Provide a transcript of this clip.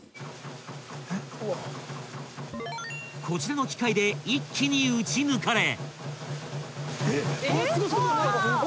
［こちらの機械で一気に打ち抜かれ］